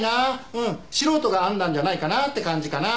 うん素人が編んだんじゃないかなって感じかな。